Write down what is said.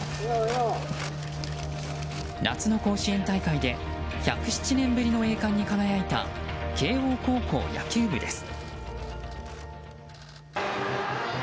夏の甲子園大会で１０７年ぶりの栄冠に輝いた慶應高校野球部です。